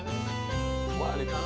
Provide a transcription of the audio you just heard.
abah kemana om